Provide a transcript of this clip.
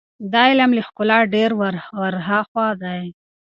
دا عمل له ښکلا ډېر ور هاخوا دی.